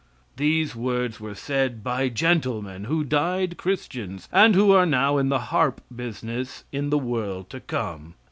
These words were said by gentlemen who died Christians, and who are now in the harp business in the world to come.